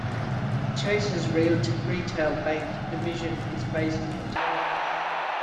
Chase's retail bank division is based in the tower.